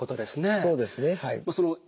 そうですねはい。